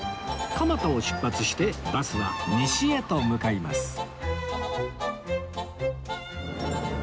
蒲田を出発してバスは西へと向かいます